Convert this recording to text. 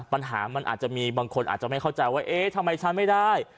ปัญหามันอาจจะมีบางคนอาจจะไม่เข้าใจว่าเอ๊ะทำไมฉันไม่ได้